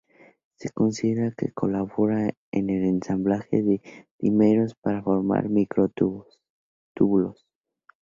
Se considera que colaboran en el ensamblaje de los dímeros para formar microtúbulos.